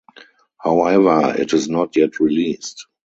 However it is not yet released.